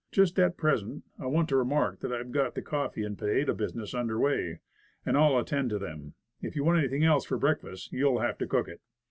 Just at present, I want to remark that I've got the coffee and potato business under way, and I'll attend to them. If you want anything else for breakfast, you'll have to cook it."